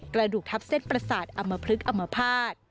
กระดูกทับเส้นประสาทอำมพลึกอมภาษณ์